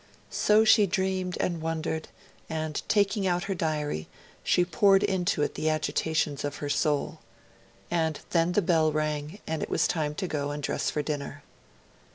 So she dreamed and wondered, and, taking out her diary, she poured into it the agitations of her soul. And then the bell rang, and it was time to go and dress for dinner.